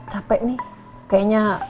capek nih kayaknya